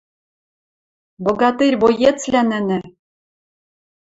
Богатырь-боецвлӓ нӹнӹ